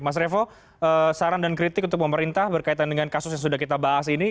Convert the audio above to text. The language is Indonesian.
mas revo saran dan kritik untuk pemerintah berkaitan dengan kasus yang sudah kita bahas ini